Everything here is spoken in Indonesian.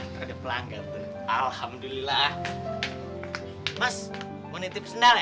terdekat langgan alhamdulillah mas menitip sendal ya